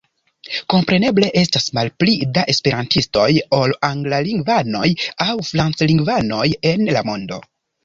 Kompreneble estas malpli da esperantistoj ol anglalingvanoj aŭ franclingvanoj en la mondo.